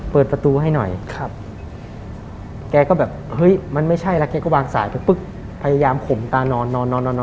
เปิดประตูให้หน่อยครับแกก็แบบเฮ้ยมันไม่ใช่แล้วแกก็วางสายไปปุ๊บพยายามขมตานอนนอน